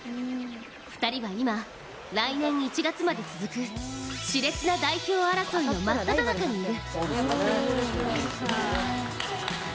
２人は今、来年１月まで続くしれつな代表争いの真っただ中にいる。